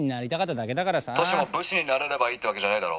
「歳も武士になれればいいってわけじゃねえだろ？」。